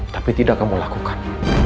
tapi tidak kamu lakukan